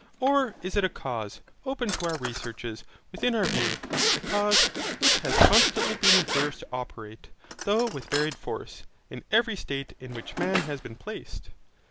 Or is it a cause, open to our researches, within our view, a cause, which has constantly been observed to operate, though with varied force, in every state in which man has been placed?